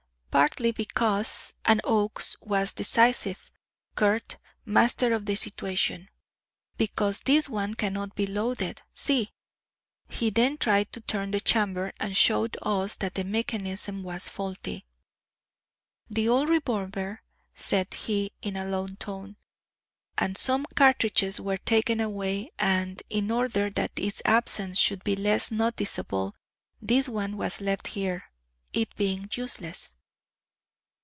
"Partly because" and Oakes was decisive, curt, master of the situation "because this one cannot be loaded. See!" He then tried to turn the chamber and showed us that the mechanism was faulty. "The old revolver," said he in a low tone, "and some cartridges were taken away, and in order that its absence should be less noticeable, this one was left here it being useless.